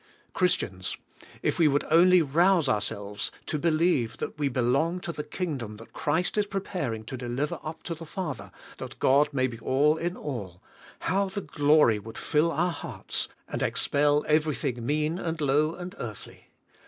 Chris tians, if we would onl}' rouse ourselves to believe that we belong to the Kingdom that Christ is pre paring to deliver up to the Father, that God may be all in all, how the glory would fill our hearts, and expel everything mean, and low, and earthly!